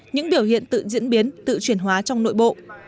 những biểu hiện tự diễn biến tự chuyển hóa trong nội bộ